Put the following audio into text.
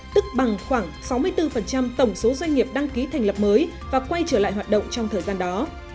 tức bằng khoảng sáu mươi bốn tổng số doanh nghiệp đăng ký thành lập mới và quay trở lại hoạt động trong thời gian đó